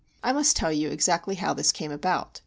I must tell you exactly how this came about.